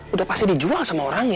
udah pasti dijual sama orangnya